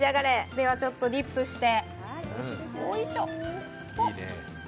では、ちょっとディップして。